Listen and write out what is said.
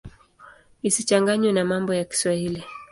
Isichanganywe na mambo ya Kiswahili.